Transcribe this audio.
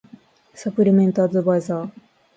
サプリメントアドバイザー